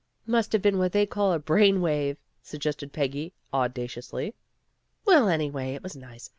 "Must have been what they call a brain wave," suggested Peggy, audaciously. "Well, anyway, it was nice.